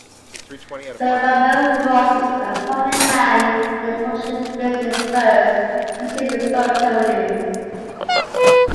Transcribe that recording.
"Don" Ramon Roces, a prominent man in the publishing business, first conceived "Photo News".